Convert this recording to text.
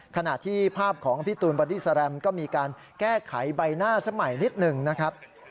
ขณะที่ภาพของพี่ตูนบอดี้แลมก็มีการแก้ไขใบหน้าสมัยนิดหนึ่งนะครับ